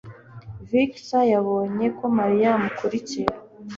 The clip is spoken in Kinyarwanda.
victor yabonye ko mariya amukurikira